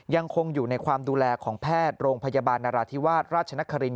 ยังคงอยู่ในความดูแลของแพทย์โรงพยาบาลนราธิวาสราชนครินท